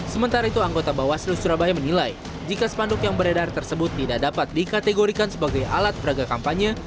sementara itu anggota bawaslu surabaya menilai jika spanduk yang beredar tersebut tidak dapat dikategorikan sebagai alat peraga kampanye